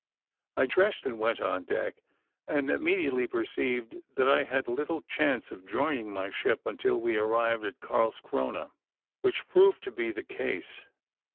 I dressed and went on deck, and immediately perceived that I had little chance of joining my ship until we arrived at Carlscrona, which proved to be the case.